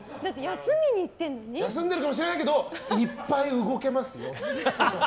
休みに行ってるかもしれないけどいっぱい動けますよ。